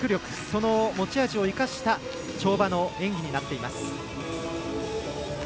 その持ち味を生かした跳馬の演技になっています。